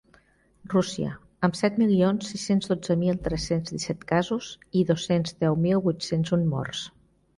Rússia, amb set milions sis-cents dotze mil tres-cents disset casos i dos-cents deu mil vuit-cents un morts.